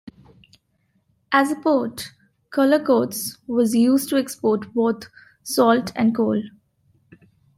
As a port, Cullercoats was used to export both salt and coal.